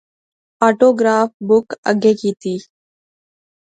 آٹو گراف بک اگے کیتی